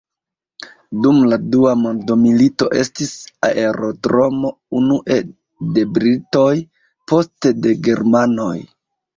Dum la Dua mondmilito estis aerodromo unue de britoj, poste de germanoj.